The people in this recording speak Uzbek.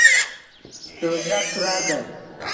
so‘zlab turardi.